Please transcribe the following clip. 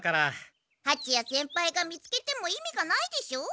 はちや先輩が見つけても意味がないでしょう。